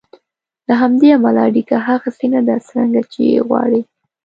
له همدې امله اړیکه هغسې نه ده څرنګه چې یې غواړئ.